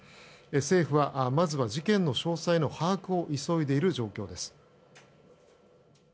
政府はまずは事件の詳細の把握を急いでいる状況です。